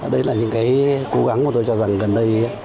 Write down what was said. đây là những cố gắng mà tôi cho rằng gần đây